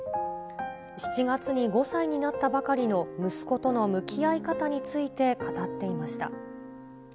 ７月に５歳になったばかりの息子との向き合い方について語っていました。